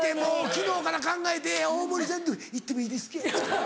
昨日から考えて「大盛さん言ってもいいですか？」